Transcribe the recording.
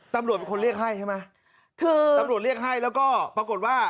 ตำรวจเป็นคนเรียกให้ใช่ไหมคือตำรวจเรียกให้แล้วก็ปรากฏว่า